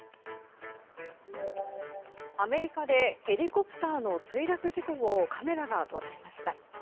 アメリカでヘリコプターの墜落事故をカメラが捉えました。